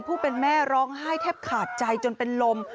ผู้เป็นแม่ร้องไห้แทบขาดใจจนเป็นลม